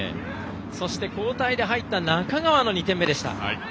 そして交代で入った仲川の２点目でした。